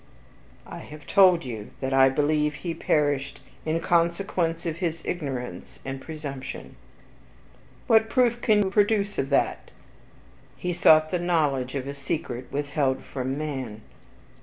"I have told you that I believe he perished in consequence of his ignorance and presumption." "What proof can you produce of that?" "He sought the knowledge of a secret withheld from man."